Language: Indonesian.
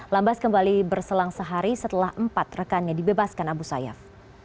lambas kembali berselang sehari setelah empat rekannya dibebaskan abu sayyaf